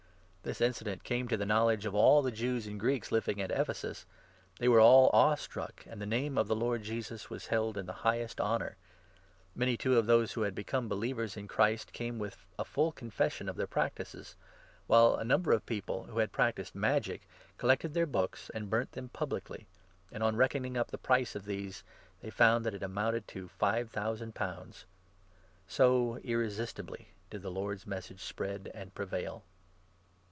This incident came to the knowledge of all 17 the Jews and Greeks living at Ephesus ; they were all awe struck, and the Name of the Lord Jesus was held in the highest honour. Many, too, of those who had become 18 believers in Christ came with a full confession of their practices ; while a number of people, who had practised 19 magic, collected their books and burnt them publicly ; and on reckoning up the price of these, they found it amounted to five thousand pounds. So irresistibly did the Lord's 20 Message spread and prevail.